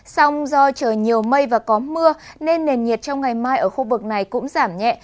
song do trời nhiều mây và có mưa nên nền nhiệt trong ngày mai ở khu vực này cũng giảm nhẹ